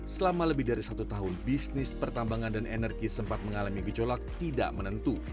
selama lebih dari satu tahun bisnis pertambangan dan energi sempat mengalami gejolak tidak menentu